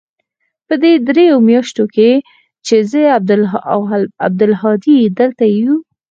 په دې درېو مياشتو کښې چې زه او عبدالهادي دلته يو.